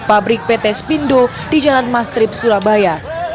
pabrik pt spindo di jalan mastrip surabaya